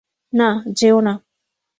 না, যেও না!